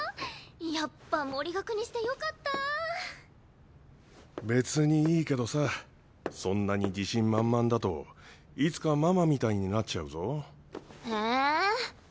やっぱ森学にしてよかった別にいいけどさそんなに自信満々だといつかママみたいになっちゃうぞええ？